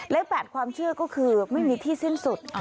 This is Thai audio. ๘ความเชื่อก็คือไม่มีที่สิ้นสุด